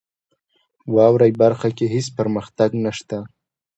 واورئ برخه کې هیڅ پرمختګ نشته .